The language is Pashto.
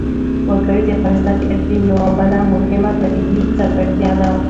وګړي د افغانستان د اقلیم یوه بله مهمه طبیعي ځانګړتیا ده.